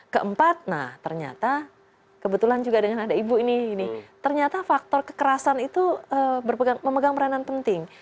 keempat nah ternyata kebetulan juga dengan ada ibu ini ternyata faktor kekerasan itu memegang peranan penting